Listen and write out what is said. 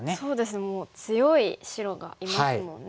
もう強い白がいますもんね。